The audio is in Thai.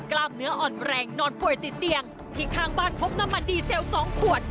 กล้ามเนื้ออ่อนแรงนอนป่วยติดเตียงที่ข้างบ้านพบน้ำมันดีเซล๒ขวด